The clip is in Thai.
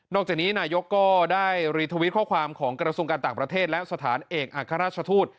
จากนี้นายกก็ได้รีทวิตข้อความของกระทรวงการต่างประเทศและสถานเอกอัครราชทูต